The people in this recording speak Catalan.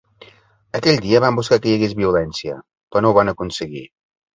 Aquell dia van buscar que hi hagués violència, però no ho van aconseguir.